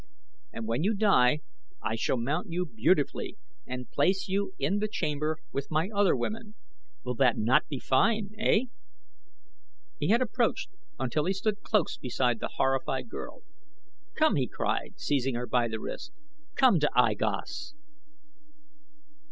And when you die I shall mount you beautifully and place you in the chamber with my other women. Will not that be fine, eh?" He had approached until he stood close beside the horrified girl. "Come!" he cried, seizing her by the wrist. "Come to I Gos!"